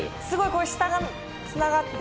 これ下がつながってる。